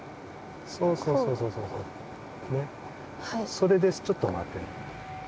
それでちょっとまってね。